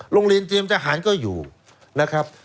โรงเรียนเตรียมทหารก็อยู่นะครับ